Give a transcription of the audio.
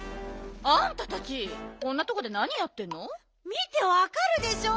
見てわかるでしょ？